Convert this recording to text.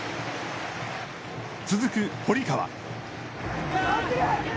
続く堀川。